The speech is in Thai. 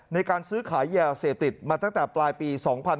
ในการซื้อขายยาเสพติดมาตั้งแต่ปลายปี๒๕๕๙